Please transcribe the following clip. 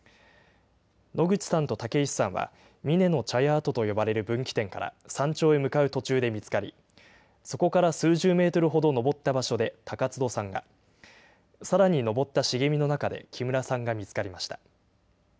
野口さんと竹石さんは、峰の茶屋跡と呼ばれる分岐点から山頂へ向かう途中で見つかり、そこから数十メートルほど登った場所で高津戸さんが、さらに登った茂みの中で木村さんが見つかりました。